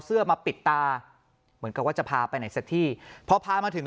เสื้อมาปิดตาเหมือนกับว่าจะพาไปไหนสักที่พอพามาถึง